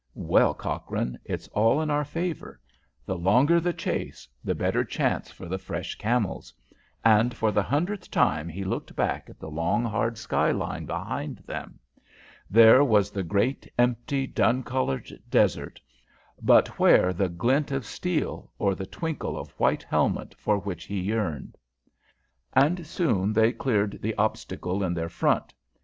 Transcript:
"Well, Cochrane, it's all in our favour. The longer the chase the better chance for the fresh camels!" and for the hundredth time he looked back at the long, hard skyline behind them. There was the great, empty, dun coloured desert, but where the glint of steel or the twinkle of white helmet for which he yearned? And soon they cleared the obstacle in their front.